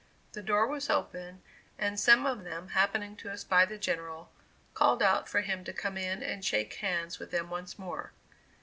The door was open, and some of them happening to espy the General, called out for him to come in and shake hands with them once more.